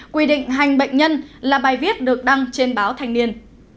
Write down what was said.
quy định hành bệnh nhân là bài viết được đăng trên báo thanh niên